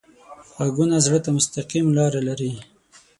غږونه زړه ته مستقیم لاره لري